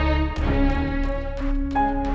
aku mau ke kamar